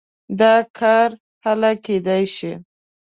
دا کار هله کېدای شي.